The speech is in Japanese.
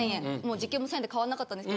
時給も１０００円で変わんなかったんですけど